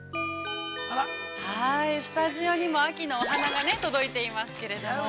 ◆スタジオにも、秋のお花が届いていますけれども。